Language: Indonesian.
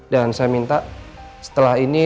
dan saya minta setelah ini